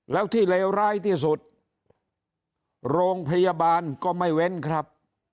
แล้วที่เลวร้ายที่สุดโรงพยาบาลก็ไม่เว้นครับ